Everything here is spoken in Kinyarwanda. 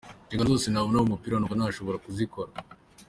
Inshingano zose nabona mu mupira numva ko nshobora kuzikora.